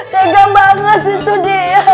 tegang banget sih itu dia